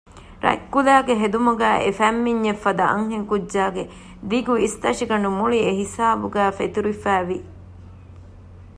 ރަތްކުލައިގެ ހެދުމުގައިވާ އެ ފަތްމިންޏެއް ފަދަ އަންހެން ކުއްޖާގެ ދިގު އިސްތަށިގަނޑު މުޅި އެ ހިސާބުގައި ފެތުރިފައިވި